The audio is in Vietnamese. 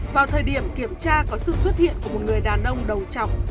vào thời điểm kiểm tra có sự xuất hiện của một người đàn ông đầu chọc